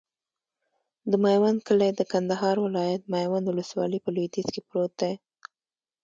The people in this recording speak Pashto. د میوند کلی د کندهار ولایت، میوند ولسوالي په لویدیځ کې پروت دی.